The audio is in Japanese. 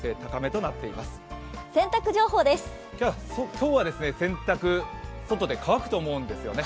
今日は洗濯外で乾くと思うんですよね。